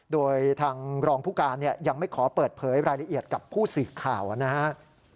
โดยทางรองผู้การยังไม่ขอเปิดเผยรายละเอียดกับผู้สื่อข่าวนะครับ